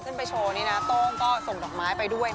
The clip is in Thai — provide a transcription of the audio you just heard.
ไปโชว์นี่นะโต้งก็ส่งดอกไม้ไปด้วย